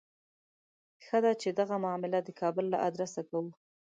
ښه ده چې دغه معامله د کابل له آدرسه کوو.